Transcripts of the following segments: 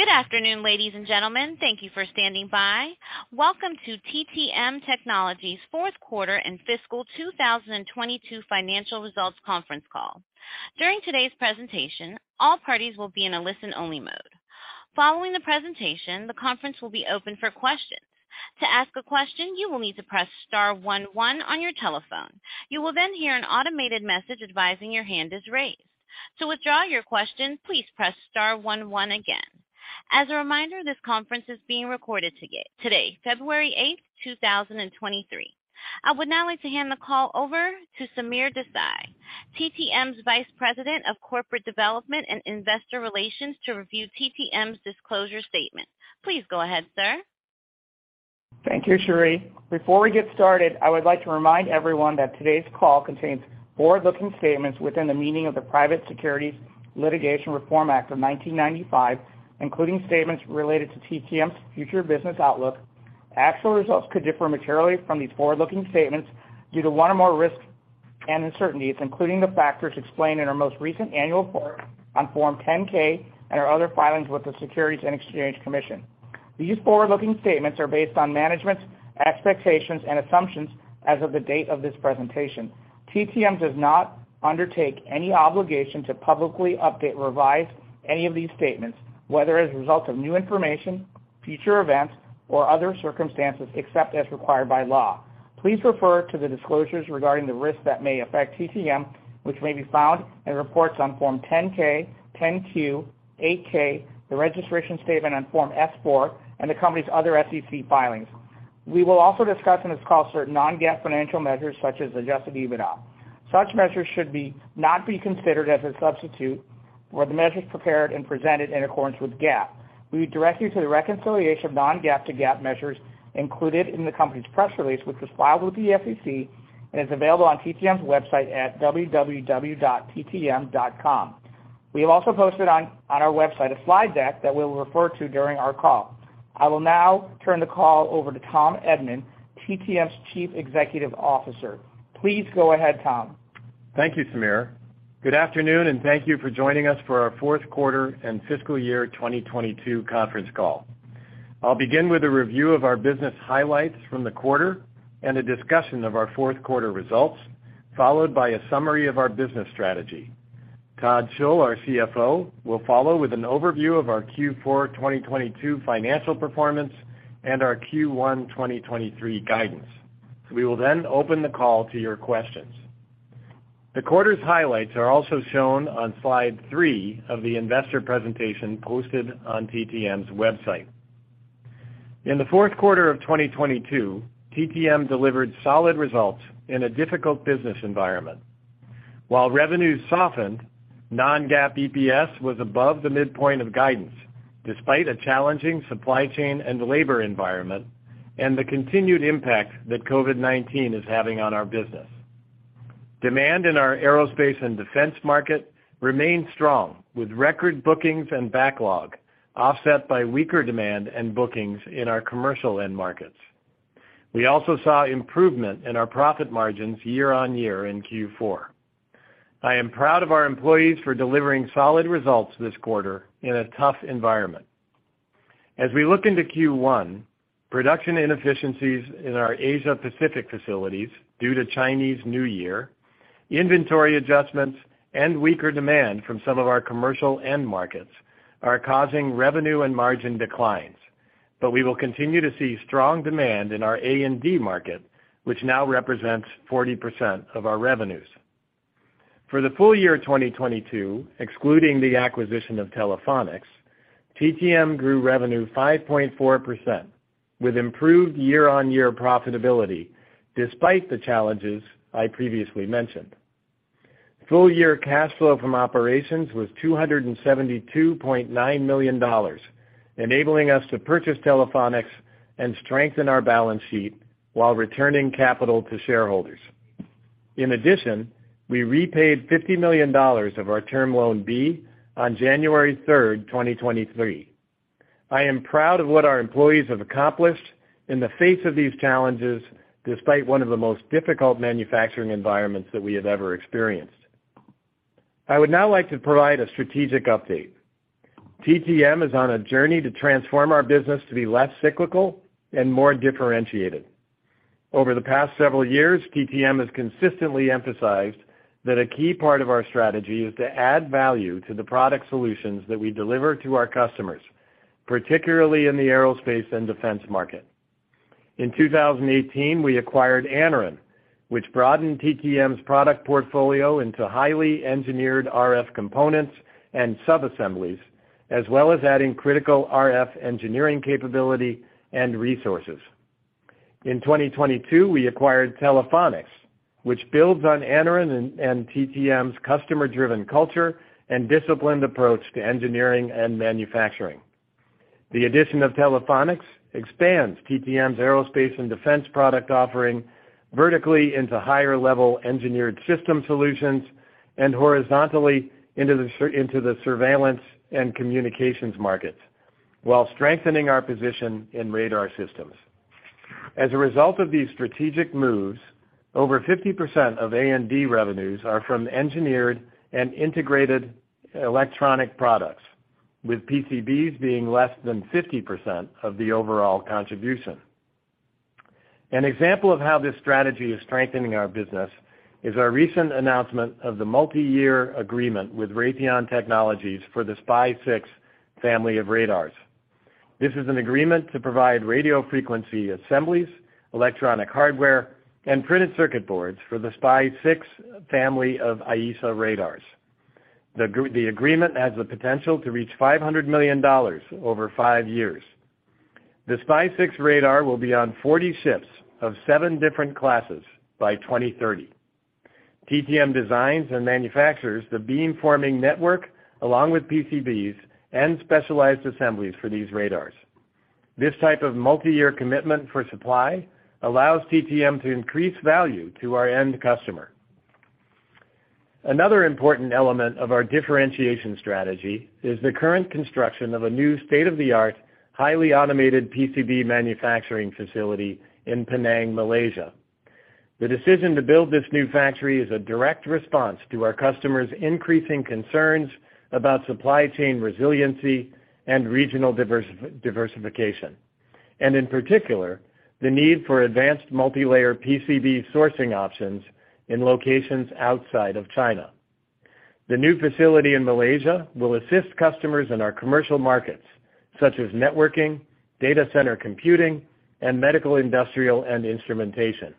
Good afternoon, ladies and gentlemen. Thank you for standing by. Welcome to TTM Technologies Fourth Quarter and Fiscal 2022 Financial Results Conference Call. During today's presentation, all parties will be in a listen-only mode. Following the presentation, the conference will be open for questions. To ask a question, you will need to press star 11 on your telephone. You will then hear an automated message advising your hand is raised. To withdraw your question, please press star 11 again. As a reminder, this conference is being recorded today, February 8th, 2023. I would now like to hand the call over to Sameer Desai, TTM's Vice President of Corporate Development and Investor Relations, to review TTM's disclosure statement. Please go ahead, sir. Thank you, Cherie. Before we get started, I would like to remind everyone that today's call contains forward-looking statements within the meaning of the Private Securities Litigation Reform Act of 1995, including statements related to TTM's future business outlook. Actual results could differ materially from these forward-looking statements due to one or more risks and uncertainties, including the factors explained in our most recent annual report on Form 10-K and our other filings with the Securities and Exchange Commission. These forward-looking statements are based on management's expectations and assumptions as of the date of this presentation. TTM does not undertake any obligation to publicly update or revise any of these statements, whether as a result of new information, future events, or other circumstances, except as required by law. Please refer to the disclosures regarding the risks that may affect TTM, which may be found in reports on Form 10-K, 10-Q, 8-K, the registration statement on Form S-4, and the company's other SEC filings. We will also discuss on this call certain non-GAAP financial measures, such as adjusted EBITDA. Such measures should not be considered as a substitute for the measures prepared and presented in accordance with GAAP. We would direct you to the reconciliation of non-GAAP to GAAP measures included in the company's press release, which was filed with the SEC and is available on TTM's website at www.ttm.com. We have also posted on our website a slide deck that we will refer to during our call. I will now turn the call over to Tom Edman, TTM's Chief Executive Officer. Please go ahead, Tom. Thank you, Sameer. Good afternoon, and thank you for joining us for our fourth quarter and fiscal year 2022 conference call. I'll begin with a review of our business highlights from the quarter and a discussion of our fourth quarter results, followed by a summary of our business strategy. Todd Schull, our CFO, will follow with an overview of our Q4 2022 financial performance and our Q1 2023 guidance. We will open the call to your questions. The quarter's highlights are also shown on slide 3 of the investor presentation posted on TTM's website. In the fourth quarter of 2022, TTM delivered solid results in a difficult business environment. While revenues softened, non-GAAP EPS was above the midpoint of guidance, despite a challenging supply chain and labor environment and the continued impact that COVID-19 is having on our business. Demand in our aerospace and defense market remained strong with record bookings and backlog offset by weaker demand and bookings in our commercial end markets. We also saw improvement in our profit margins year-on-year in Q4. I am proud of our employees for delivering solid results this quarter in a tough environment. As we look into Q1, production inefficiencies in our Asia Pacific facilities due to Chinese New Year, inventory adjustments, and weaker demand from some of our commercial end markets are causing revenue and margin declines. We will continue to see strong demand in our A&D market, which now represents 40% of our revenues. For the full year 2022, excluding the acquisition of Telephonics, TTM grew revenue 5.4% with improved year-on-year profitability despite the challenges I previously mentioned. Full year cash flow from operations was $272.9 million, enabling us to purchase Telephonics and strengthen our balance sheet while returning capital to shareholders. In addition, we repaid $50 million of our Term Loan B on January 3, 2023. I am proud of what our employees have accomplished in the face of these challenges, despite one of the most difficult manufacturing environments that we have ever experienced. I would now like to provide a strategic update. TTM is on a journey to transform our business to be less cyclical and more differentiated. Over the past several years, TTM has consistently emphasized that a key part of our strategy is to add value to the product solutions that we deliver to our customers, particularly in the aerospace and defense market. In 2018, we acquired Anaren, which broadened TTM's product portfolio into highly engineered RF components and subassemblies, as well as adding critical RF engineering capability and resources. In 2022, we acquired Telephonics, which builds on Anaren and TTM's customer-driven culture and disciplined approach to engineering and manufacturing. The addition of Telephonics expands TTM's aerospace and defense product offering vertically into higher-level engineered system solutions and horizontally into the surveillance and communications markets while strengthening our position in radar systems. As a result of these strategic moves, over 50% of A&D revenues are from engineered and integrated electronic products, with PCBs being less than 50% of the overall contribution. An example of how this strategy is strengthening our business is our recent announcement of the multiyear agreement with Raytheon Technologies for the SPY-6 family of radars. This is an agreement to provide radio frequency assemblies, electronic hardware, and printed circuit boards for the SPY-6 family of AESA radars. The agreement has the potential to reach $500 million over 5 years. The SPY-6 radar will be on 40 ships of 7 different classes by 2030. TTM designs and manufactures the beamforming network, along with PCBs and specialized assemblies for these radars. This type of multi-year commitment for supply allows TTM to increase value to our end customer. Another important element of our differentiation strategy is the current construction of a new state-of-the-art, highly automated PCB manufacturing facility in Penang, Malaysia. The decision to build this new factory is a direct response to our customers' increasing concerns about supply chain resiliency and regional diversification, and in particular, the need for advanced multi-layer PCB sourcing options in locations outside of China. The new facility in Malaysia will assist customers in our commercial markets, such as networking, data center computing, and medical, industrial, and instrumentation.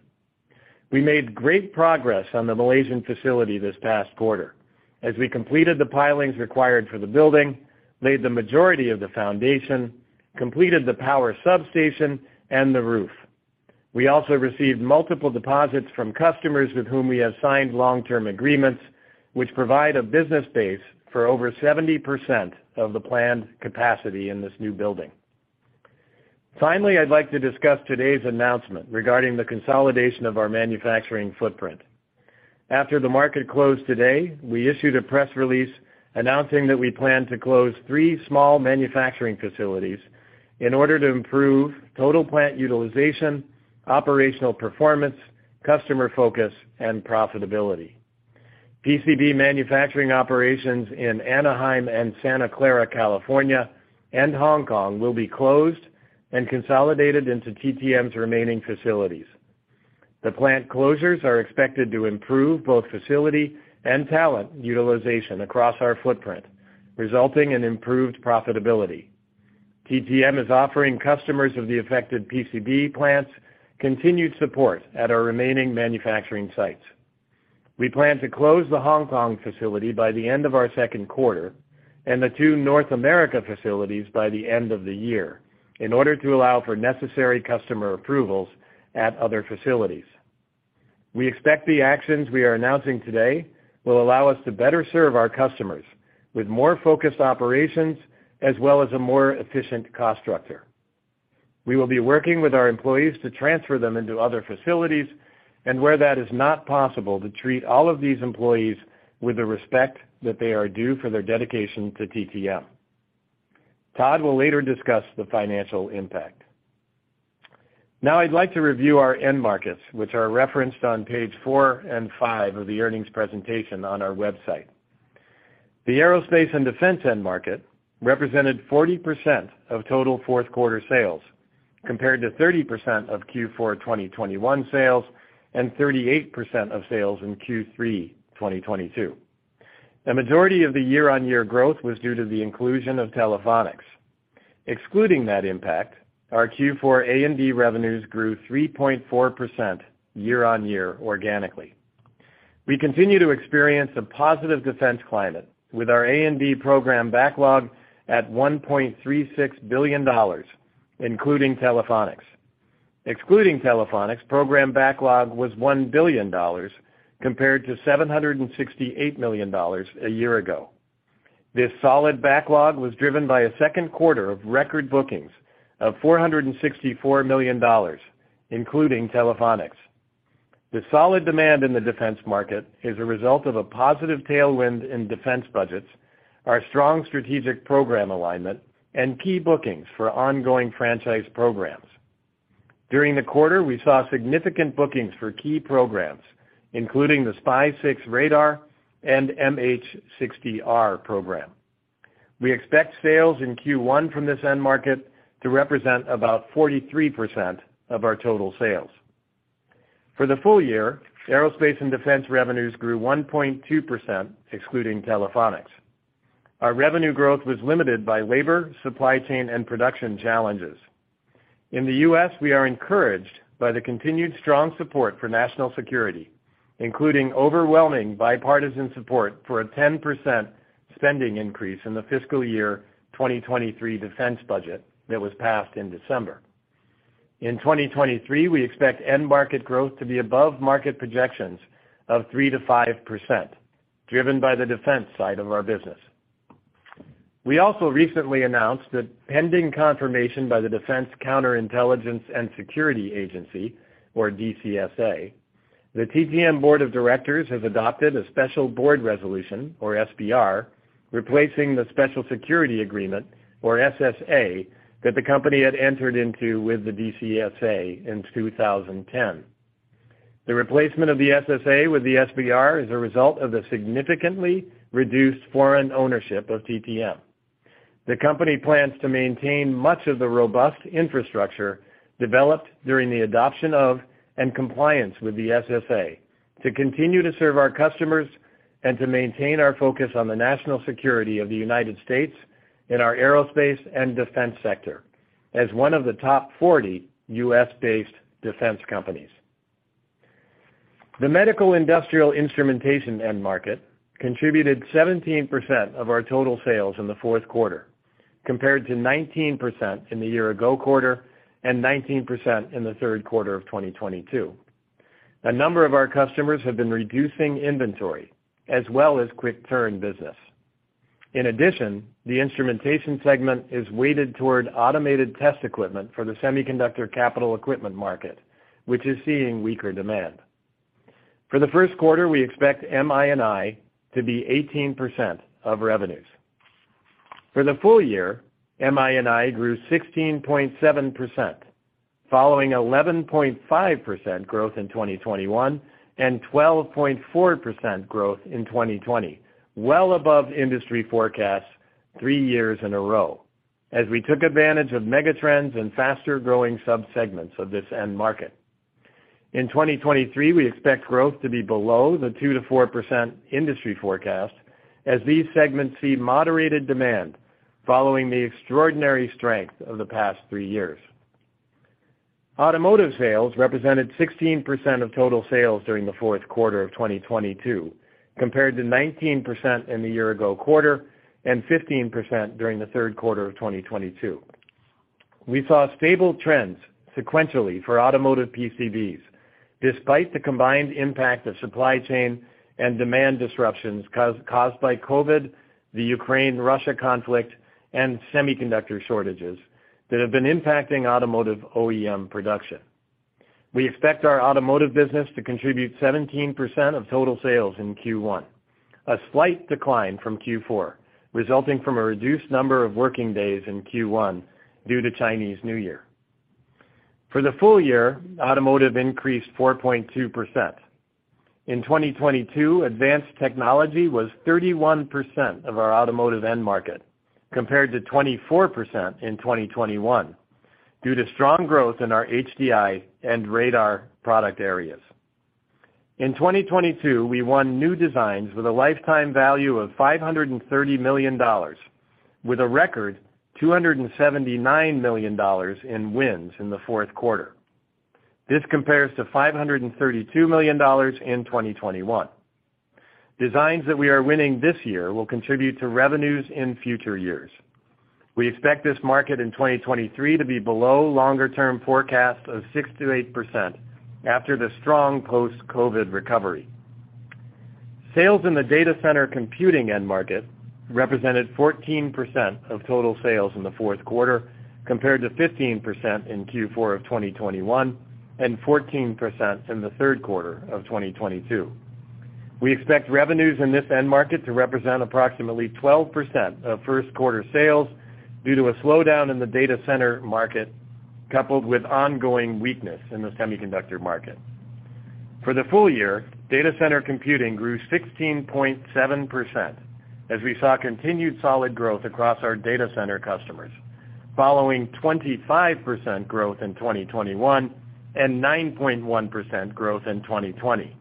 We made great progress on the Malaysian facility this past quarter as we completed the pilings required for the building, laid the majority of the foundation, completed the power substation and the roof. We also received multiple deposits from customers with whom we have signed long-term agreements, which provide a business base for over 70% of the planned capacity in this new building. Finally, I'd like to discuss today's announcement regarding the consolidation of our manufacturing footprint. After the market closed today, we issued a press release announcing that we plan to close three small manufacturing facilities in order to improve total plant utilization, operational performance, customer focus, and profitability. PCB manufacturing operations in Anaheim and Santa Clara, California, and Hong Kong will be closed and consolidated into TTM's remaining facilities. The plant closures are expected to improve both facility and talent utilization across our footprint, resulting in improved profitability. TTM is offering customers of the affected PCB plants continued support at our remaining manufacturing sites. We plan to close the Hong Kong facility by the end of our second quarter and the two North America facilities by the end of the year in order to allow for necessary customer approvals at other facilities. We expect the actions we are announcing today will allow us to better serve our customers with more focused operations as well as a more efficient cost structure. We will be working with our employees to transfer them into other facilities, and where that is not possible, to treat all of these employees with the respect that they are due for their dedication to TTM. Todd will later discuss the financial impact. Now I'd like to review our end markets, which are referenced on page 4 and 5 of the earnings presentation on our website. The Aerospace and Defense end market represented 40% of total fourth quarter sales, compared to 30% of Q4 2021 sales and 38% of sales in Q3 2022. The majority of the year-on-year growth was due to the inclusion of Telephonics. Excluding that impact, our Q4 A&D revenues grew 3.4% year-on-year organically. We continue to experience a positive defense climate with our A&D program backlog at $1.36 billion, including Telephonics. Excluding Telephonics, program backlog was $1 billion compared to $768 million a year ago. This solid backlog was driven by a second quarter of record bookings of $464 million, including Telephonics. The solid demand in the defense market is a result of a positive tailwind in defense budgets, our strong strategic program alignment, and key bookings for ongoing franchise programs. During the quarter, we saw significant bookings for key programs, including the SPY-6 radar and MH-60R program. We expect sales in Q1 from this end market to represent about 43% of our total sales. For the full year, Aerospace and Defense revenues grew 1.2%, excluding Telephonics. Our revenue growth was limited by labor, supply chain, and production challenges. In the U.S., we are encouraged by the continued strong support for national security, including overwhelming bipartisan support for a 10% spending increase in the fiscal year 2023 defense budget that was passed in December. In 2023, we expect end market growth to be above market projections of 3%-5%, driven by the defense side of our business. We also recently announced that pending confirmation by the Defense Counterintelligence and Security Agency, or DCSA, the TTM Board of Directors have adopted a special board resolution or SBR, replacing the Special Security Agreement or SSA that the company had entered into with the DCSA in 2010. The replacement of the SSA with the SBR is a result of the significantly reduced foreign ownership of TTM. The company plans to maintain much of the robust infrastructure developed during the adoption of and compliance with the SSA to continue to serve our customers and to maintain our focus on the national security of the United States in our aerospace and defense sector as one of the top 40 U.S.-based defense companies. The medical industrial instrumentation end market contributed 17% of our total sales in the fourth quarter, compared to 19% in the year-ago quarter and 19% in the third quarter of 2022. A number of our customers have been reducing inventory as well as quick turn business. In addition, the instrumentation segment is weighted toward automated test equipment for the semiconductor capital equipment market, which is seeing weaker demand. For the first quarter, we expect MII to be 18% of revenues. For the full year, MII grew 16.7%, following 11.5% growth in 2021 and 12.4% growth in 2020, well above industry forecasts three years in a row as we took advantage of megatrends and faster-growing subsegments of this end market. In 2023, we expect growth to be below the 2%-4% industry forecast as these segments see moderated demand following the extraordinary strength of the past three years. Automotive sales represented 16% of total sales during the fourth quarter of 2022, compared to 19% in the year-ago quarter and 15% during the third quarter of 2022. We saw stable trends sequentially for automotive PCBs, despite the combined impact of supply chain and demand disruptions caused by COVID, the Ukraine-Russia conflict, and semiconductor shortages that have been impacting automotive OEM production. We expect our automotive business to contribute 17% of total sales in Q1, a slight decline from Q4, resulting from a reduced number of working days in Q1 due to Chinese New Year. For the full year, automotive increased 4.2%. In 2022, advanced technology was 31% of our automotive end market, compared to 24% in 2021, due to strong growth in our HDI and radar product areas. In 2022, we won new designs with a lifetime value of $530 million, with a record $279 million in wins in the fourth quarter. This compares to $532 million in 2021. Designs that we are winning this year will contribute to revenues in future years. We expect this market in 2023 to be below longer-term forecasts of 6%-8% after the strong post-COVID recovery. Sales in the data center computing end market represented 14% of total sales in the fourth quarter, compared to 15% in Q4 of 2021 and 14% in the third quarter of 2022. We expect revenues in this end market to represent approximately 12% of first quarter sales due to a slowdown in the data center market, coupled with ongoing weakness in the semiconductor market. For the full year, data center computing grew 16.7% as we saw continued solid growth across our data center customers, following 25% growth in 2021 and 9.1% growth in 2020.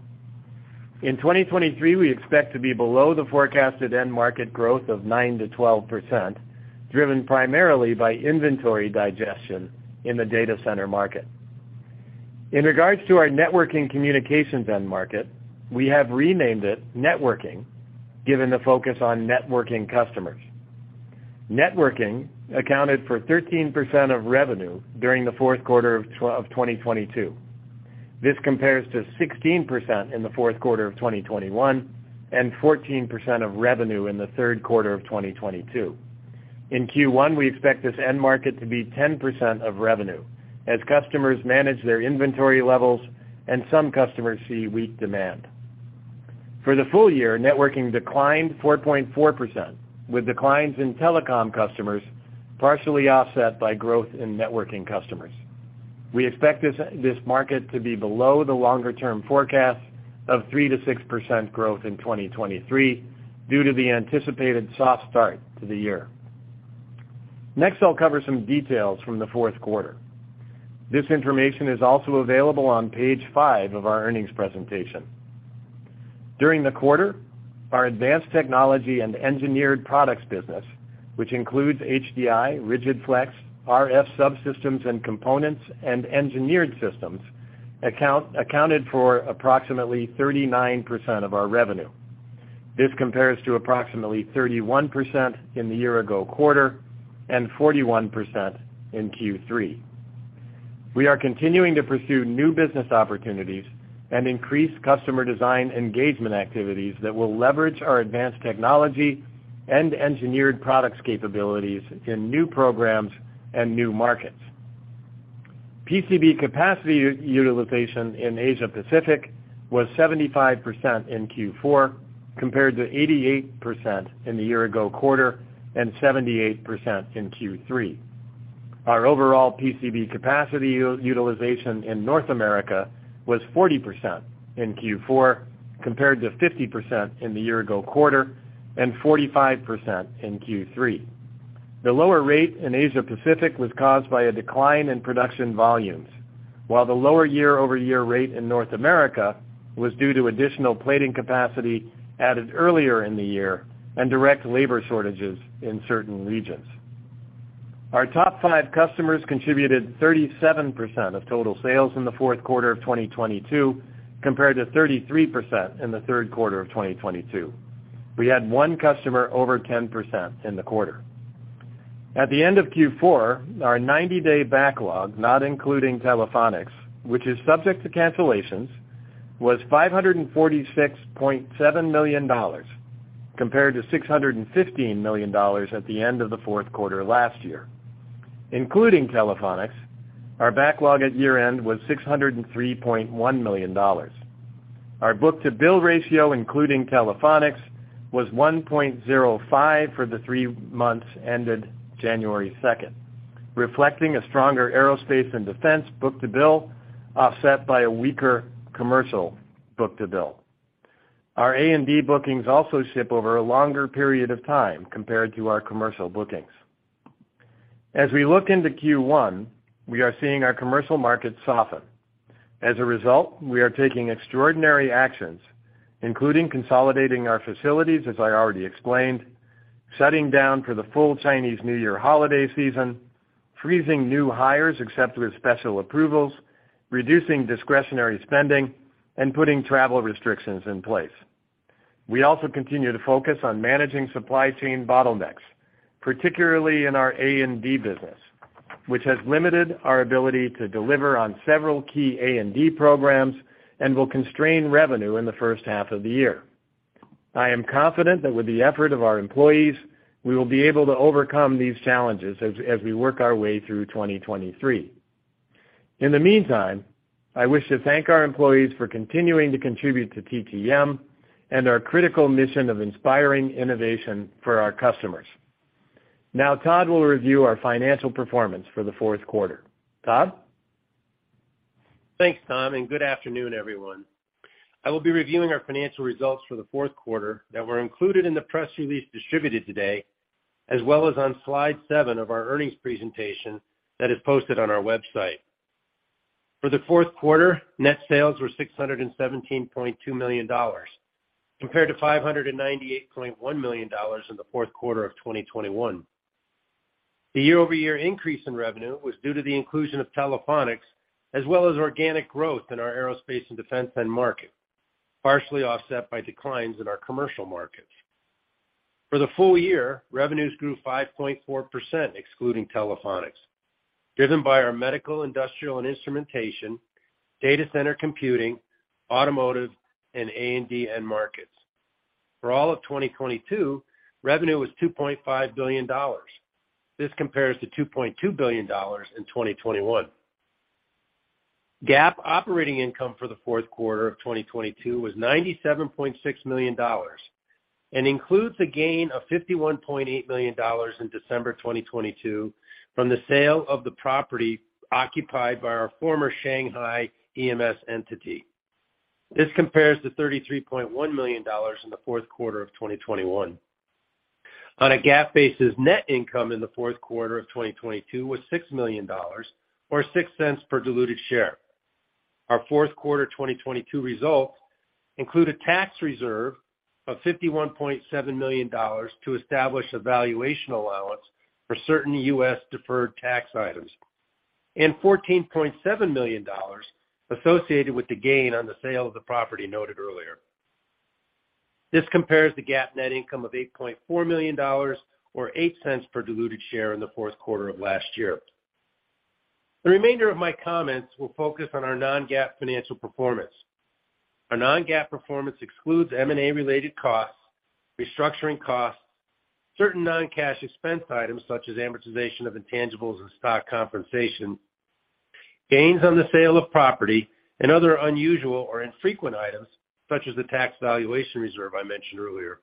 In 2023, we expect to be below the forecasted end market growth of 9%-12%, driven primarily by inventory digestion in the data center market. In regards to our networking communications end market, we have renamed it Networking, given the focus on networking customers. Networking accounted for 13% of revenue during the fourth quarter of 2022. This compares to 16% in the fourth quarter of 2021 and 14% of revenue in the third quarter of 2022. In Q1, we expect this end market to be 10% of revenue as customers manage their inventory levels and some customers see weak demand. For the full year, networking declined 4.4%, with declines in telecom customers partially offset by growth in networking customers. We expect this market to be below the longer-term forecast of 3%-6% growth in 2023 due to the anticipated soft start to the year. I'll cover some details from the fourth quarter. This information is also available on page 5 of our earnings presentation. During the quarter, our advanced technology and engineered products business, which includes HDI, rigid-flex, RF subsystems and components, and engineered systems, accounted for approximately 39% of our revenue. This compares to approximately 31% in the year-ago quarter and 41% in Q3. We are continuing to pursue new business opportunities and increase customer design engagement activities that will leverage our advanced technology and engineered products capabilities in new programs and new markets. PCB capacity utilization in Asia Pacific was 75% in Q4, compared to 88% in the year-ago quarter and 78% in Q3. Our overall PCB capacity utilization in North America was 40% in Q4, compared to 50% in the year-ago quarter and 45% in Q3. The lower rate in Asia Pacific was caused by a decline in production volumes, while the lower year-over-year rate in North America was due to additional plating capacity added earlier in the year and direct labor shortages in certain regions. Our top five customers contributed 37% of total sales in the fourth quarter of 2022, compared to 33% in the third quarter of 2022. We had one customer over 10% in the quarter. At the end of Q4, our 90-day backlog, not including Telephonics, which is subject to cancellations, was $546.7 million, compared to $615 million at the end of the fourth quarter last year. Including Telephonics, our backlog at year-end was $603.1 million. Our book-to-bill ratio, including Telephonics, was 1.05 for the 3 months ended January 2nd, reflecting a stronger Aerospace and Defense book-to-bill, offset by a weaker commercial book-to-bill. Our A and D bookings also ship over a longer period of time compared to our commercial bookings. As we look into Q1, we are seeing our commercial markets soften. As a result, we are taking extraordinary actions, including consolidating our facilities, as I already explained, shutting down for the full Chinese New Year holiday season, freezing new hires except with special approvals, reducing discretionary spending, and putting travel restrictions in place. We also continue to focus on managing supply chain bottlenecks, particularly in our A&D business, which has limited our ability to deliver on several key A&D programs and will constrain revenue in the first half of the year. I am confident that with the effort of our employees, we will be able to overcome these challenges as we work our way through 2023. In the meantime, I wish to thank our employees for continuing to contribute to TTM and our critical mission of inspiring innovation for our customers. Todd will review our financial performance for the fourth quarter. Todd? Thanks, Tom. Good afternoon, everyone. I will be reviewing our financial results for the fourth quarter that were included in the press release distributed today, as well as on slide 7 of our earnings presentation that is posted on our website. For the fourth quarter, net sales were $617.2 million, compared to $598.1 million in the fourth quarter of 2021. The year-over-year increase in revenue was due to the inclusion of Telephonics, as well as organic growth in our aerospace and defense end market, partially offset by declines in our commercial markets. For the full year, revenues grew 5.4% excluding Telephonics, driven by our medical, industrial and instrumentation, data center computing, automotive, and A&D end markets. For all of 2022, revenue was $2.5 billion. This compares to $2.2 billion in 2021. GAAP operating income for the fourth quarter of 2022 was $97.6 million and includes a gain of $51.8 million in December 2022 from the sale of the property occupied by our former Shanghai EMS entity. This compares to $33.1 million in the fourth quarter of 2021. On a GAAP basis, net income in the fourth quarter of 2022 was $6 million or $0.06 per diluted share. Our fourth quarter 2022 results include a tax reserve of $51.7 million to establish a valuation allowance for certain U.S. deferred tax items and $14.7 million associated with the gain on the sale of the property noted earlier. This compares to GAAP net income of $8.4 million or $0.08 per diluted share in the fourth quarter of last year. The remainder of my comments will focus on our non-GAAP financial performance. Our non-GAAP performance excludes M&A-related costs, restructuring costs, certain non-cash expense items such as amortization of intangibles and stock compensation, gains on the sale of property and other unusual or infrequent items such as the tax valuation reserve I mentioned earlier.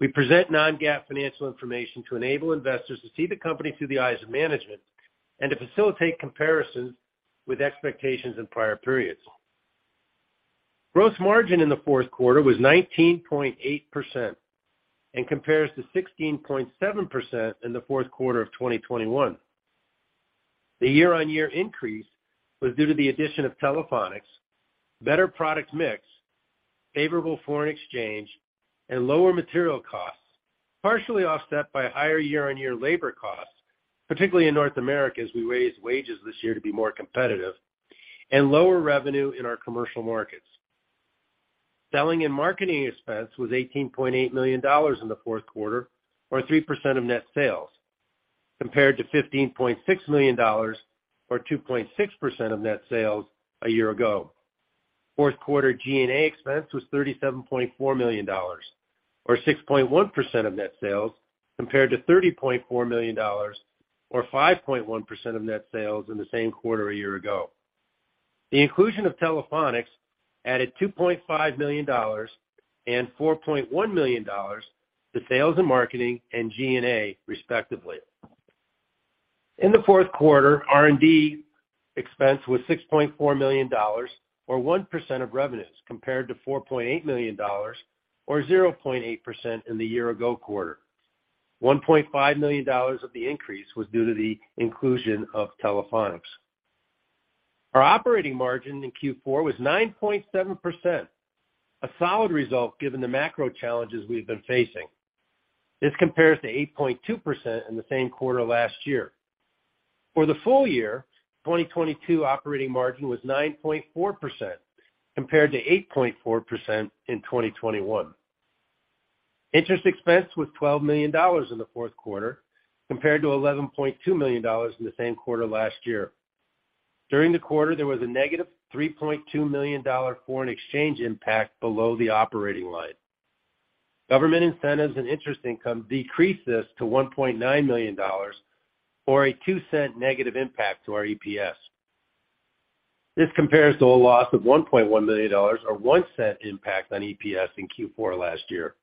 We present non-GAAP financial information to enable investors to see the company through the eyes of management and to facilitate comparisons with expectations in prior periods. Gross margin in the fourth quarter was 19.8% and compares to 16.7% in the fourth quarter of 2021. The year-on-year increase was due to the addition of Telephonics, better product mix, favorable foreign exchange, and lower material costs, partially offset by higher year-on-year labor costs, particularly in North America, as we raised wages this year to be more competitive and lower revenue in our commercial markets. Selling and marketing expense was $18.8 million in the fourth quarter or 3% of net sales, compared to $15.6 million or 2.6% of net sales a year ago. Fourth quarter SG&A expense was $37.4 million or 6.1% of net sales, compared to $30.4 million or 5.1% of net sales in the same quarter a year ago. The inclusion of Telephonics added $2.5 million and $4.1 million to sales and marketing and SG&A respectively. In the fourth quarter, R&D expense was $6.4 million, or 1% of revenues, compared to $4.8 million or 0.8% in the year ago quarter. $1.5 million of the increase was due to the inclusion of Telephonics. Our operating margin in Q4 was 9.7%, a solid result given the macro challenges we've been facing. This compares to 8.2% in the same quarter last year. For the full year, 2022 operating margin was 9.4% compared to 8.4% in 2021. Interest expense was $12 million in the fourth quarter compared to $11.2 million in the same quarter last year. During the quarter, there was a negative $3.2 million foreign exchange impact below the operating line. Government incentives and interest income decreased this to $1.9 million, or a $0.02 negative impact to our EPS. This compares to a loss of $1.1 million or $0.01 impact on EPS in Q4 last year.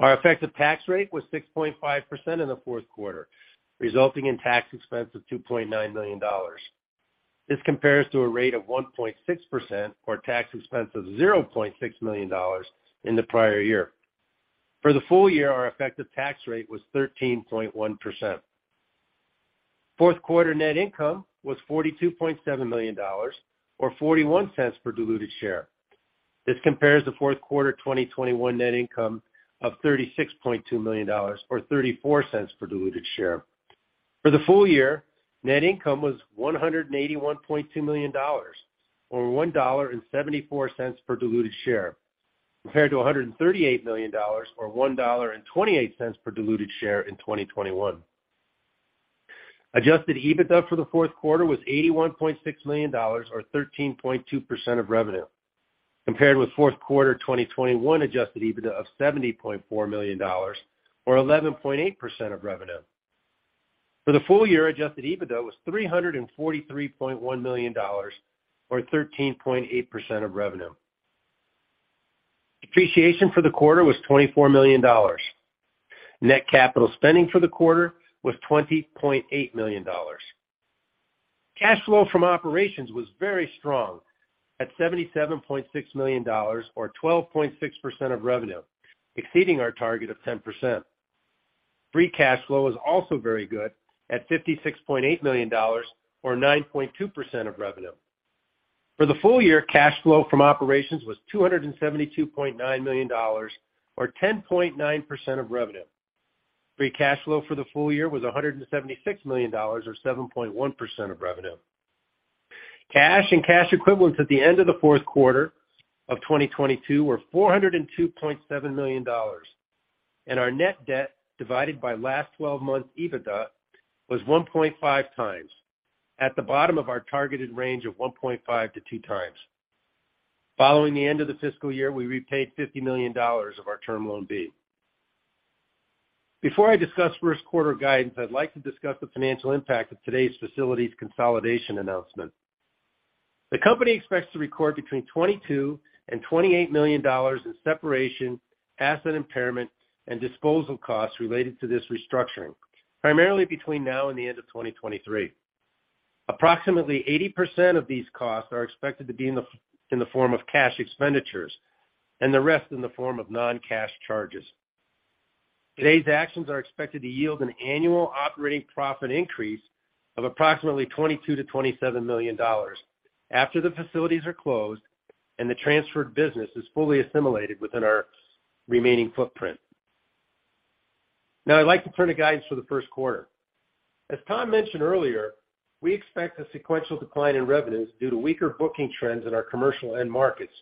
Our effective tax rate was 6.5% in the fourth quarter, resulting in tax expense of $2.9 million. This compares to a rate of 1.6% or tax expense of $0.6 million in the prior year. For the full year, our effective tax rate was 13.1%. Fourth quarter net income was $42.7 million or $0.41 per diluted share. This compares to fourth quarter 2021 net income of $36.2 million or $0.34 per diluted share. For the full year, net income was $181.2 million or $1.74 per diluted share, compared to $138 million or $1.28 per diluted share in 2021. adjusted EBITDA for the fourth quarter was $81.6 million or 13.2% of revenue, compared with fourth quarter 2021 adjusted EBITDA of $70.4 million or 11.8% of revenue. For the full year, adjusted EBITDA was $343.1 million or 13.8% of revenue. Depreciation for the quarter was $24 million. Net capital spending for the quarter was $20.8 million. Cash flow from operations was very strong at $77.6 million or 12.6% of revenue, exceeding our target of 10%. Free cash flow was also very good at $56.8 million or 9.2% of revenue. For the full year, cash flow from operations was $272.9 million or 10.9% of revenue. Free cash flow for the full year was $176 million or 7.1% of revenue. Cash and cash equivalents at the end of the fourth quarter of 2022 were $402.7 million, and our net debt divided by last twelve months EBITDA was 1.5 times, at the bottom of our targeted range of 1.5 to 2 times. Following the end of the fiscal year, we repaid $50 million of our Term Loan B. Before I discuss first quarter guidance, I'd like to discuss the financial impact of today's facilities consolidation announcement. The company expects to record between $22 million and $28 million in separation, asset impairment, and disposal costs related to this restructuring, primarily between now and the end of 2023. Approximately 80% of these costs are expected to be in the form of cash expenditures and the rest in the form of non-cash charges. Today's actions are expected to yield an annual operating profit increase of approximately $22 million-$27 million after the facilities are closed and the transferred business is fully assimilated within our remaining footprint. I'd like to turn to guidance for the first quarter. As Tom mentioned earlier, we expect a sequential decline in revenues due to weaker booking trends in our commercial end markets,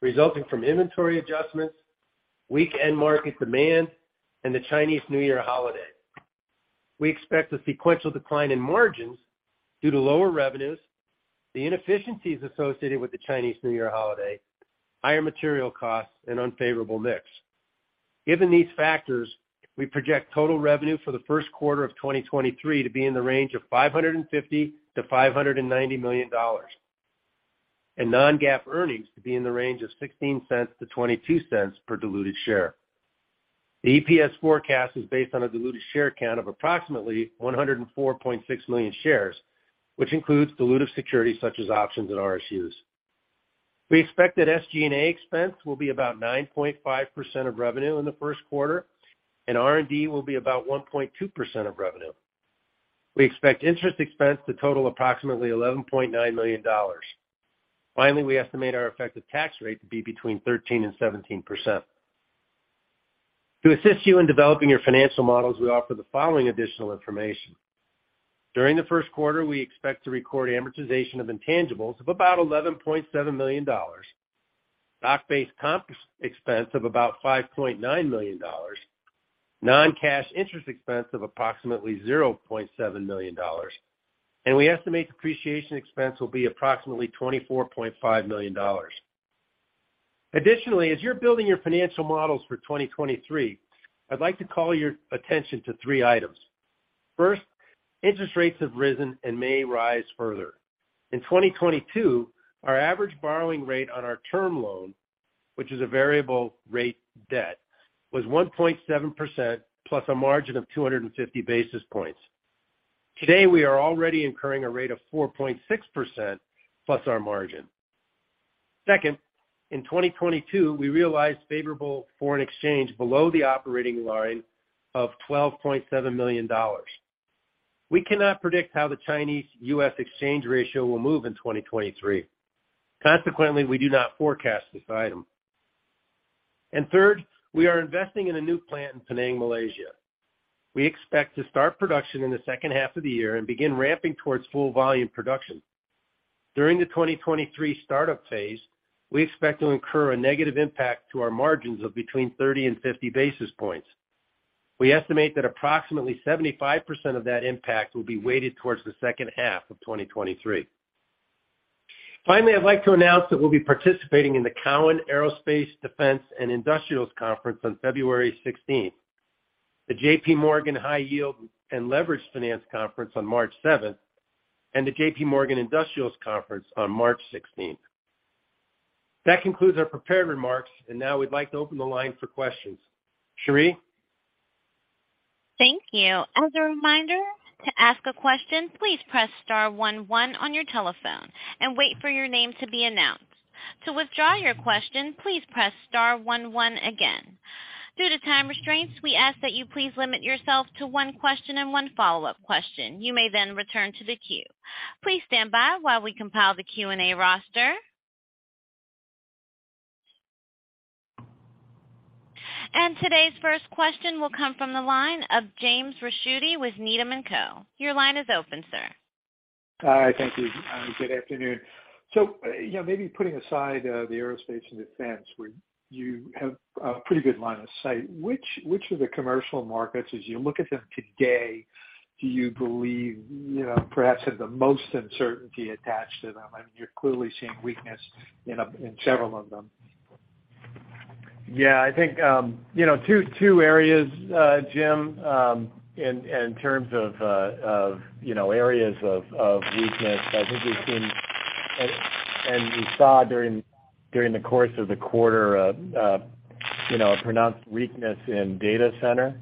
resulting from inventory adjustments, weak end market demand, and the Chinese New Year holiday. We expect a sequential decline in margins due to lower revenues, the inefficiencies associated with the Chinese New Year holiday, higher material costs, and unfavorable mix. Given these factors, we project total revenue for the first quarter of 2023 to be in the range of $550 million-$590 million, and non-GAAP earnings to be in the range of $0.16-$0.22 per diluted share. The EPS forecast is based on a diluted share count of approximately 104.6 million shares, which includes dilutive securities such as options and RSUs. We expect that SG&A expense will be about 9.5% of revenue in the first quarter and R&D will be about 1.2% of revenue. We expect interest expense to total approximately $11.9 million. We estimate our effective tax rate to be between 13% and 17%. To assist you in developing your financial models, we offer the following additional information. During the first quarter, we expect to record amortization of intangibles of about $11.7 million. Stock-based comp expense of about $5.9 million, non-cash interest expense of approximately $0.7 million, and we estimate depreciation expense will be approximately $24.5 million. Additionally, as you're building your financial models for 2023, I'd like to call your attention to three items. First, interest rates have risen and may rise further. In 2022, our average borrowing rate on our Term Loan B, which is a variable rate debt, was 1.7% plus a margin of 250 basis points. Today, we are already incurring a rate of 4.6% plus our margin. Second, in 2022, we realized favorable foreign exchange below the operating line of $12.7 million. We cannot predict how the Chinese-U.S. exchange ratio will move in 2023. Consequently, we do not forecast this item. Third, we are investing in a new plant in Penang, Malaysia. We expect to start production in the second half of the year and begin ramping towards full volume production. During the 2023 startup phase, we expect to incur a negative impact to our margins of between 30 and 50 basis points. We estimate that approximately 75% of that impact will be weighted towards the second half of 2023. Finally, I'd like to announce that we'll be participating in the Cowen Aerospace/Defense & Industrials Conference on February 16th, the J.P. Morgan High Yield & Leveraged Finance Conference on March 7th, and the J.P. Morgan Industrials Conference on March 16th. That concludes our prepared remarks, and now we'd like to open the line for questions. Sheri? Thank you. As a reminder, to ask a question, please press star one one on your telephone and wait for your name to be announced. To withdraw your question, please press star one one again. Due to time restraints, we ask that you please limit yourself to one question and one follow-up question. You may then return to the queue. Please stand by while we compile the Q&A roster. Today's first question will come from the line of James Ricchiuti with Needham & Company. Your line is open, sir. Hi. Thank you. Good afternoon. you know, maybe putting aside the aerospace and defense, where you have a pretty good line of sight, which of the commercial markets, as you look at them today, do you believe, you know, perhaps have the most uncertainty attached to them? I mean, you're clearly seeing weakness in several of them. Yeah, I think, you know, two areas, James, in terms of, you know, areas of weakness, I think we've seen and we saw during the course of the quarter, you know, a pronounced weakness in data center.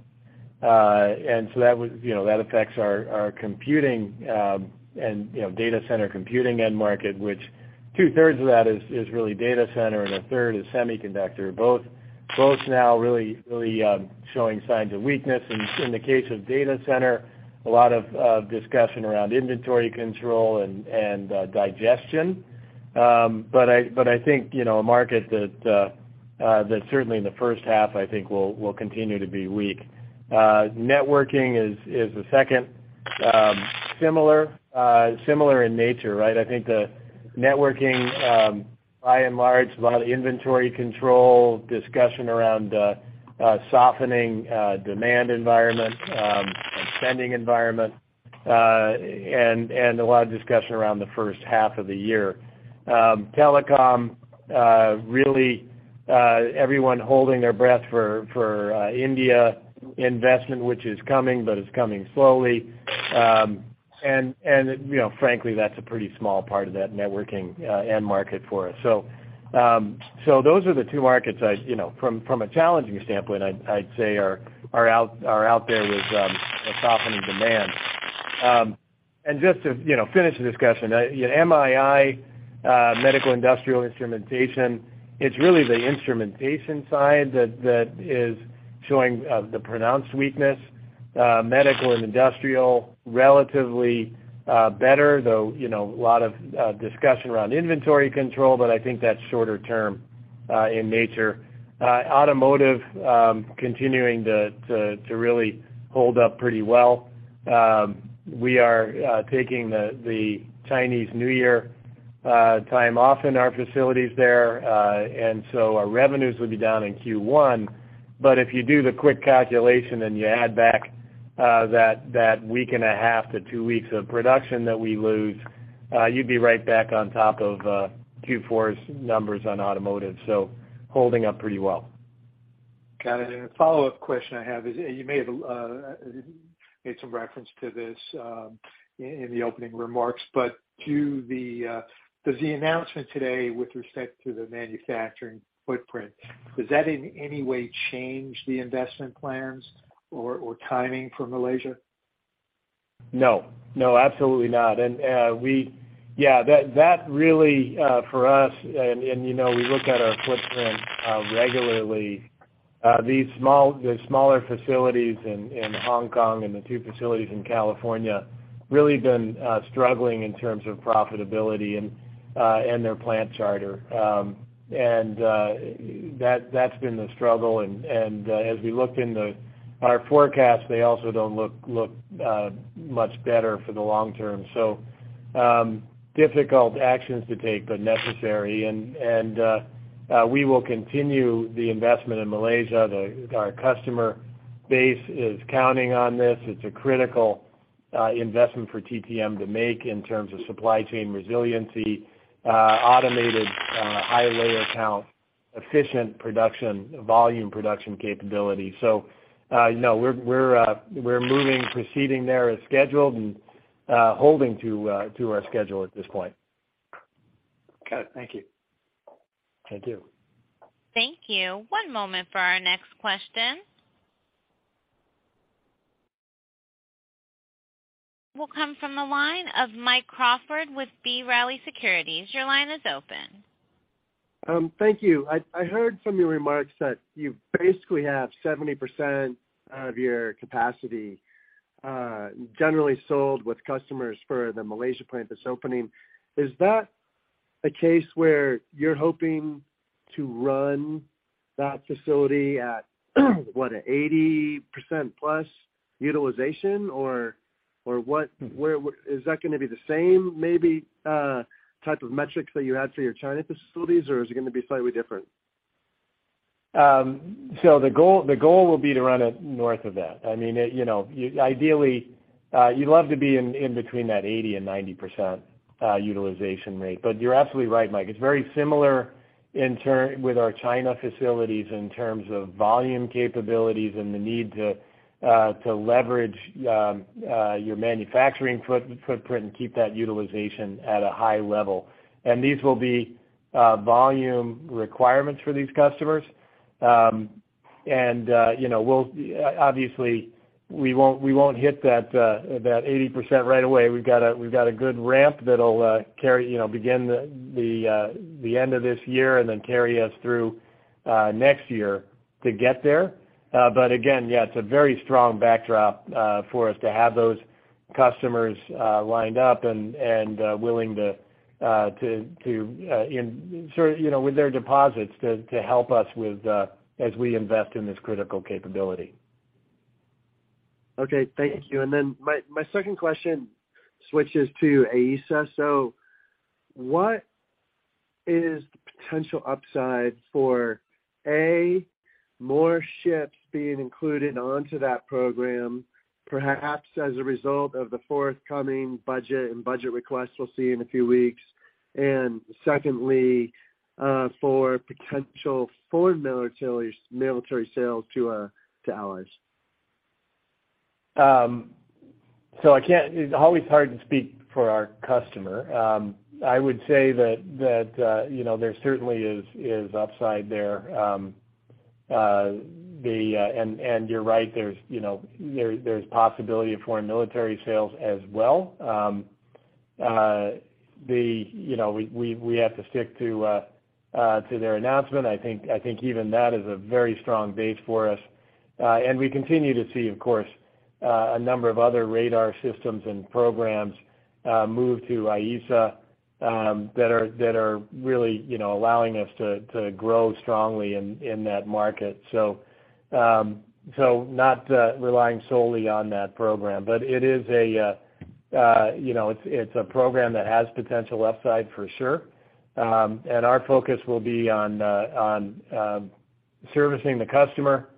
That was, you know, that affects our computing, and, you know, data center computing end market, which two-thirds of that is really data center, and a third is semiconductor. Both now really showing signs of weakness. In the case of data center, a lot of discussion around inventory control and digestion. I think, you know, a market that certainly in the first half, I think will continue to be weak. Networking is the second. Similar, similar in nature, right? I think the networking, by and large, a lot of the inventory control discussion around softening demand environment, and spending environment, and a lot of discussion around the first half of the year. Telecom, really, everyone holding their breath for India investment, which is coming, but it's coming slowly. You know, frankly, that's a pretty small part of that networking end market for us. Those are the two markets I, you know, from a challenging standpoint, I'd say are out there with a softening demand. Just to, you know, finish the discussion, you know, MII, medical industrial instrumentation, it's really the instrumentation side that is showing the pronounced weakness. Medical and industrial, relatively better, though, you know, a lot of discussion around inventory control, but I think that's shorter term in nature. Automotive, continuing to really hold up pretty well. We are taking the Chinese New Year time off in our facilities there. Our revenues will be down in Q1, but if you do the quick calculation and you add back that week and a half to 2 weeks of production that we lose, you'd be right back on top of Q4's numbers on automotive, so holding up pretty well. Got it. A follow-up question I have is, you may have made some reference to this, in the opening remarks, but does the announcement today with respect to the manufacturing footprint, does that in any way change the investment plans or timing for Malaysia? No. No, absolutely not. You know, we look at our footprint regularly, these small, the smaller facilities in Hong Kong and the two facilities in California really been struggling in terms of profitability and their plant charter. That, that's been the struggle. As we look in our forecast, they also don't look much better for the long term. Difficult actions to take, but necessary. We will continue the investment in Malaysia. Our customer base is counting on this. It's a critical investment for TTM to make in terms of supply chain resiliency, automated, high layer count, efficient production, volume production capability. You know, we're moving, proceeding there as scheduled and, holding to our schedule at this point. Got it. Thank you. Thank you. Thank you. One moment for our next question. Will come from the line of Mike Crawford with B. Riley Securities. Your line is open. Thank you. I heard from your remarks that you basically have 70% of your capacity generally sold with customers for the Malaysia plant that's opening. Is that a case where you're hoping to run that facility at what, 80% plus utilization? Mm. Is that gonna be the same maybe, type of metrics that you had for your China facilities, or is it gonna be slightly different? The goal will be to run it north of that. I mean, you know, you ideally, you'd love to be in between that 80% and 90% utilization rate, but you're absolutely right, Mike. It's very similar in term with our China facilities in terms of volume capabilities and the need to leverage your manufacturing footprint and keep that utilization at a high level. These will be volume requirements for these customers. You know, we'll obviously, we won't hit that 80% right away. We've got a good ramp that'll carry, you know, begin the end of this year and then carry us through next year to get there. again, yeah, it's a very strong backdrop for us to have those customers lined up and willing to, you know, with their deposits to help us with as we invest in this critical capability. Okay. Thank you. My, my second question switches to AESA. What is the potential upside for, A, more ships being included onto that program, perhaps as a result of the forthcoming budget and budget request we'll see in a few weeks? Secondly, for potential foreign militaries, military sales to allies. I can't, it's always hard to speak for our customer. I would say that, you know, there certainly is upside there. The... You're right, there's, you know, there's possibility of foreign military sales as well. The, you know, we have to stick to their announcement. I think even that is a very strong base for us. We continue to see, of course, a number of other radar systems and programs move to AESA, that are really, you know, allowing us to grow strongly in that market. Not relying solely on that program, but it is a, you know, it's a program that has potential upside for sure. Our focus will be on on servicing the customer,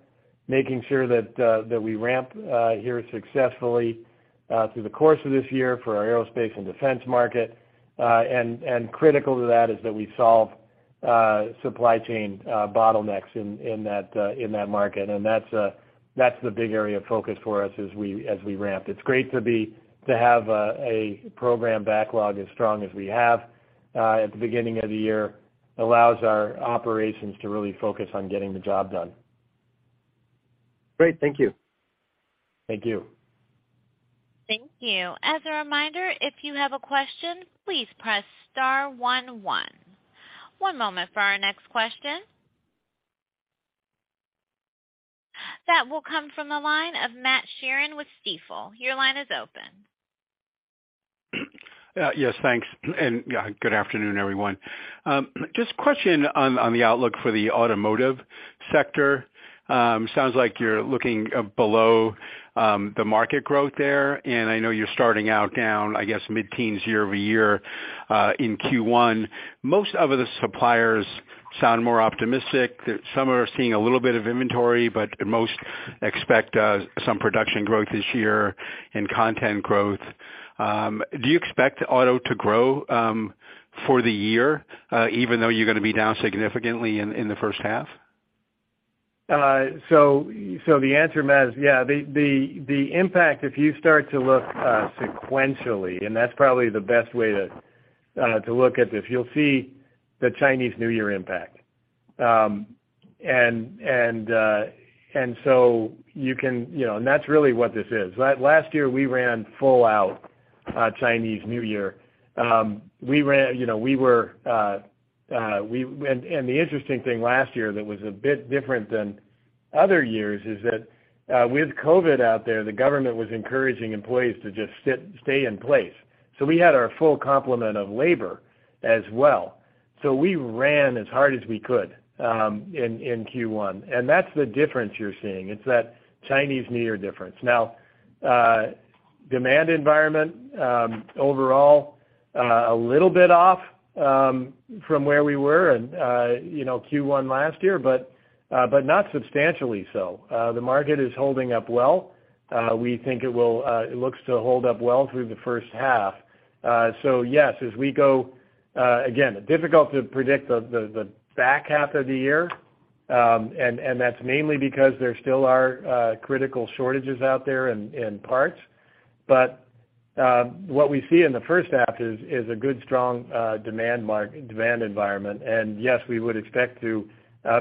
making sure that that we ramp here successfully through the course of this year for our aerospace and defense market. Critical to that is that we solve supply chain bottlenecks in in that in that market. That's that's the big area of focus for us as we, as we ramp. It's great to be, to have a program backlog as strong as we have at the beginning of the year. Allows our operations to really focus on getting the job done. Great. Thank you. Thank you. Thank you. As a reminder, if you have a question, please press star one one. One moment for our next question. That will come from the line of Matt Sheerin with Stifel. Your line is open. Yes, thanks. Yeah, good afternoon, everyone. Just a question on the outlook for the automotive sector. Sounds like you're looking below the market growth there, and I know you're starting out down, I guess, mid-teens year-over-year in Q1. Most of the suppliers sound more optimistic. Some are seeing a little bit of inventory, but most expect some production growth this year and content growth. Do you expect auto to grow for the year, even though you're gonna be down significantly in the first half? The answer, Matt, is yeah. The impact, if you start to look sequentially, and that's probably the best way to look at this, you'll see the Chinese New Year impact. You can, you know, and that's really what this is. Last year, we ran full out Chinese New Year. We ran, you know, we were. The interesting thing last year that was a bit different than other years is that with COVID out there, the government was encouraging employees to just sit, stay in place. We had our full complement of labor as well. We ran as hard as we could in Q1, and that's the difference you're seeing. It's that Chinese New Year difference. Now, demand environment, overall, a little bit off, from where we were in, you know, Q1 last year, but not substantially so. The market is holding up well. We think it will, it looks to hold up well through the first half. Yes, as we go. Again, difficult to predict the back half of the year, and that's mainly because there still are critical shortages out there in parts. What we see in the first half is a good strong demand environment. Yes, we would expect to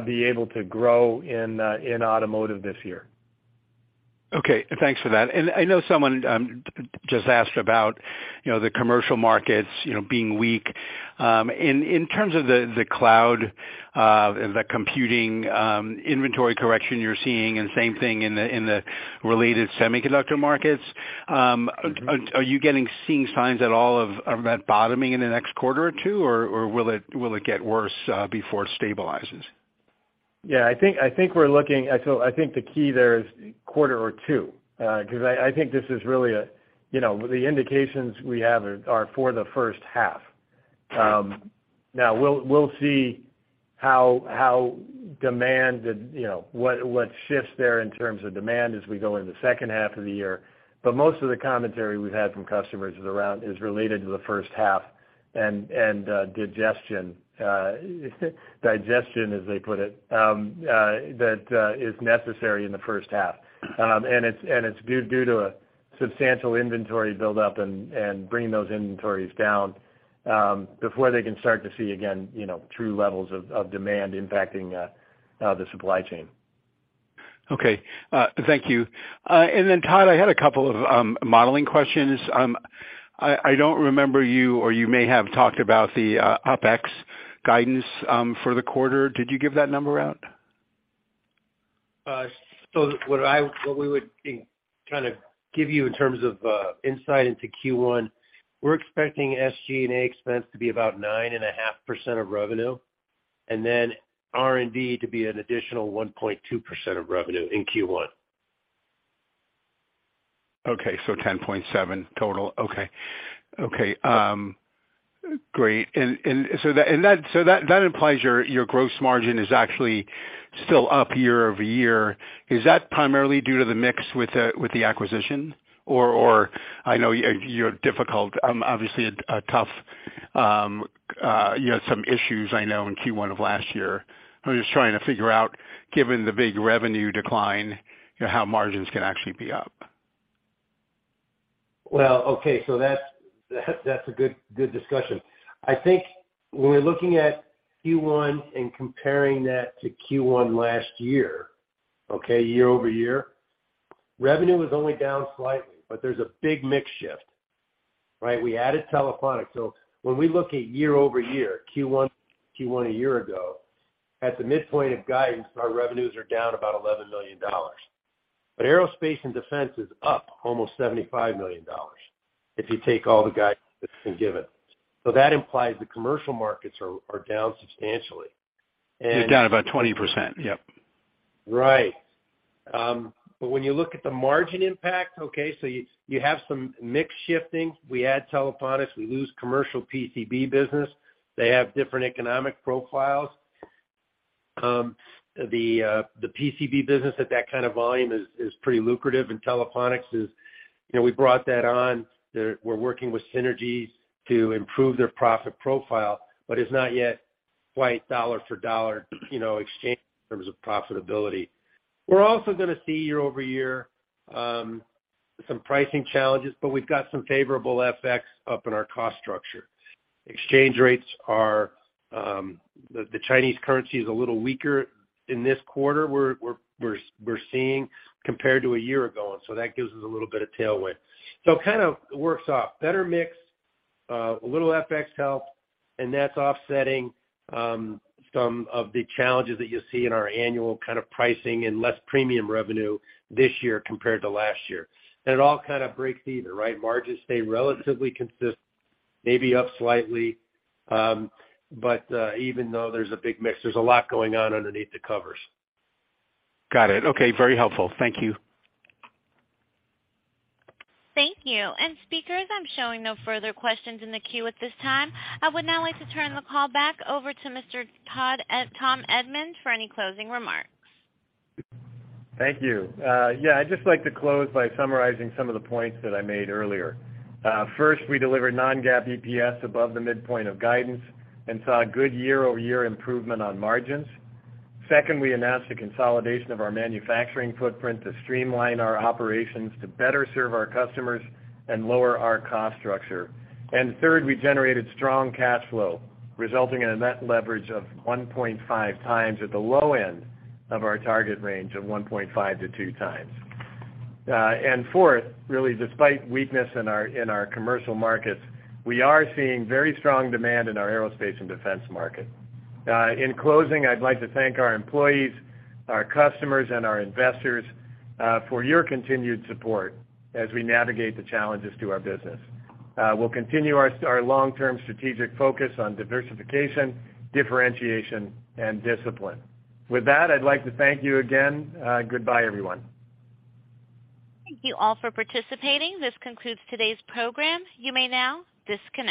be able to grow in automotive this year. Okay, thanks for that. I know someone, just asked about, you know, the commercial markets, you know, being weak. In, in terms of the cloud, the computing, inventory correction you're seeing and same thing in the, in the related semiconductor markets, are you seeing signs at all of that bottoming in the next quarter or two, or will it get worse, before it stabilizes? I think we're looking. I think the key there is quarter or two, 'cause I think this is really a, you know, the indications we have are for the first half. Now we'll see how demand, you know, what shifts there in terms of demand as we go in the second half of the year. Most of the commentary we've had from customers is related to the first half and digestion, as they put it, that is necessary in the first half. It's due to a substantial inventory build up and bringing those inventories down, before they can start to see again, you know, true levels of demand impacting the supply chain. Okay, thank you. Todd, I had a couple of modeling questions. I don't remember you or you may have talked about the OpEx guidance for the quarter. Did you give that number out? What we would kinda give you in terms of insight into Q1, we're expecting SG&A expense to be about 9.5% of revenue, and then R&D to be an additional 1.2% of revenue in Q1. 10.7 total. Great. That implies your gross margin is actually still up year-over-year. Is that primarily due to the mix with the acquisition or I know you're difficult, obviously a tough, you had some issues I know in Q1 of last year? I'm just trying to figure out, given the big revenue decline, you know, how margins can actually be up. Okay. That's a good discussion. I think when we're looking at Q1 and comparing that to Q1 last year, okay, year-over-year, revenue was only down slightly, but there's a big mix shift, right? We added Telephonics. When we look at year-over-year, Q1 a year ago, at the midpoint of guidance, our revenues are down about $11 million. Aerospace and Defense is up almost $75 million if you take all the guidance that's been given. That implies the commercial markets are down substantially. They're down about 20%. Yep. Right. When you look at the margin impact, okay, so you have some mix shifting. We add Telephonics, we lose commercial PCB business. They have different economic profiles. The PCB business at that kind of volume is pretty lucrative, and Telephonics is, you know, we brought that on. We're working with synergies to improve their profit profile, but it's not yet quite dollar for dollar, you know, exchange in terms of profitability. We're also gonna see year-over-year some pricing challenges, but we've got some favorable FX up in our cost structure. Exchange rates are, the Chinese currency is a little weaker in this quarter we're seeing compared to a year ago, and so that gives us a little bit of tailwind. It kind of works off better mix, a little FX help, and that's offsetting some of the challenges that you'll see in our annual kind of pricing and less premium revenue this year compared to last year. It all kind of breaks even, right? Margins stay relatively consistent, maybe up slightly, but even though there's a big mix, there's a lot going on underneath the covers. Got it. Okay, very helpful. Thank you. Thank you. Speakers, I'm showing no further questions in the queue at this time. I would now like to turn the call back over to Mr. Tom Edman for any closing remarks. Thank you. Yeah, I'd just like to close by summarizing some of the points that I made earlier. First, we delivered non-GAAP EPS above the midpoint of guidance and saw a good year-over-year improvement on margins. Second, we announced the consolidation of our manufacturing footprint to streamline our operations to better serve our customers and lower our cost structure. Third, we generated strong cash flow, resulting in a net leverage of 1.5 times at the low end of our target range of 1.5 to 2 times. Fourth, really despite weakness in our commercial markets, we are seeing very strong demand in our aerospace and defense market. In closing, I'd like to thank our employees, our customers, and our investors, for your continued support as we navigate the challenges to our business. We'll continue our long-term strategic focus on diversification, differentiation, and discipline. With that, I'd like to thank you again. Goodbye, everyone. Thank you all for participating. This concludes today's program. You may now disconnect.